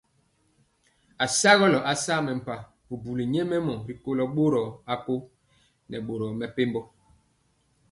Asagɔlɔ asa mempa bubuli nyɛmemɔ rikolo bori akõ nɛ boro mepempɔ.